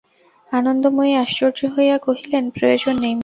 আনন্দময়ী আশ্চর্য হইয়া কহিলেন, প্রয়োজন নেই মা?